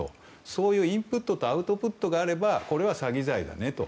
そういうインプットとアウトプットがあればこれは詐欺罪だねと。